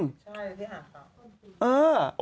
ใช่ที่หาเกาะ